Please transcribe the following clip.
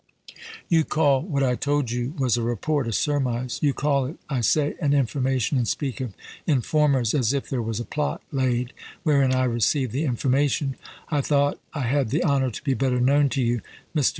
You call what I told you was a report, a surmise; you call it, I say, an information, and speak of informers as if there was a plot laid wherein I received the information: I thought I had the honour to be better known to you. Mr.